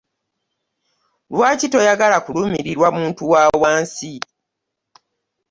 Lwaki toyagala kulumirirwa muntu wawansi?